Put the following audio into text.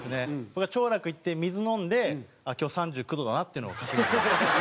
僕が兆楽行って水飲んであっ今日３９度だなっていうのを確認しました。